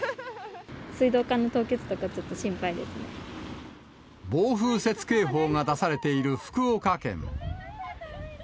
水道管の凍結とか、ちょっと暴風雪警報が出されている福岡県。